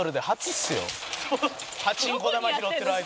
パチンコ玉拾ってるアイドル。